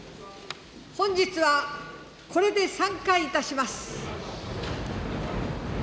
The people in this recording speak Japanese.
本日はこれで散会いたします。